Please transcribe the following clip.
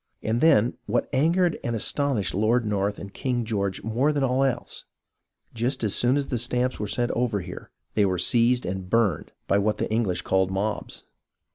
And then, what angered and astonished Lord North and King George more than all else, just as soon as the stamps were sent over here, they were seized and burned by what the English called mobs.